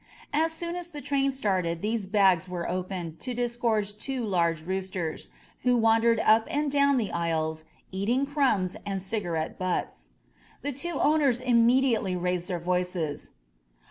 As soon as the train started these bags were opened to disgorge two large roosters, who wandered up and down the aisles eating criunbs and cigarette butts. The two owners immediately raised their voices.